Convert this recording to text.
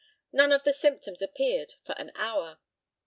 None of the symptoms appeared for an hour.